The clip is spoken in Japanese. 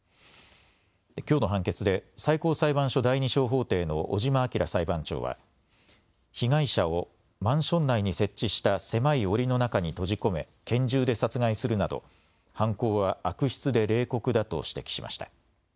きょうの判決で最高裁判所第２小法廷の尾島明裁判長は被害者をマンション内に設置した狭いおりの中に閉じ込め拳銃で殺害するなど犯行は悪質で冷酷だと指摘しました。